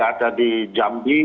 ada di jambi